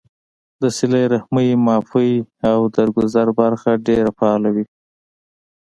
د صله رحمۍ ، معافۍ او درګذر برخه ډېره فعاله وي